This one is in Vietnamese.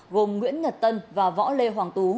gồm nguyễn ngật tân và võ lê hoàng tú